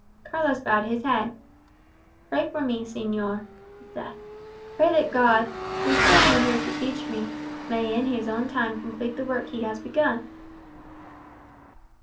Carlos bowed his head. "Pray for me, señor," he said. "Pray that God, who sent you here to teach me, may in his own time complete the work he has begun."